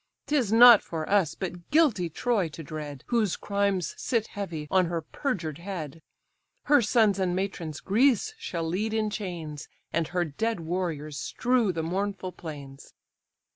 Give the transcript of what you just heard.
'Tis not for us, but guilty Troy, to dread, Whose crimes sit heavy on her perjured head; Her sons and matrons Greece shall lead in chains, And her dead warriors strew the mournful plains."